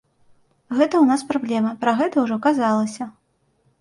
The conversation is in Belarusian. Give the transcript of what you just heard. Гэта ў нас праблемы, пра гэта ўжо казалася.